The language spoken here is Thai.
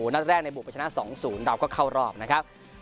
นัดแรกในบุกไปชนะ๒๐เราก็เข้ารอบนะครับ